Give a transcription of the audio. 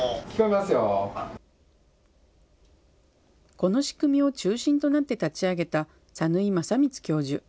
この仕組みを中心となって立ち上げた讃井將満教授。